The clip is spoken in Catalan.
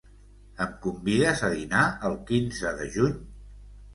Em convides a dinar el quinze de juny?